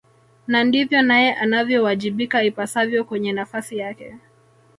na ndivyo naye anavyowajibika ipasavyo kwenye nafasi yake